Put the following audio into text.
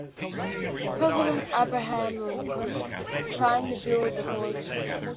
President Abraham Lincoln signed the bill the following year.